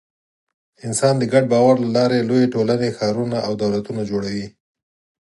انسانان د ګډ باور له لارې لویې ټولنې، ښارونه او دولتونه جوړوي.